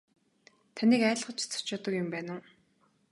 Таныг айлгаж цочоодог юм байна уу.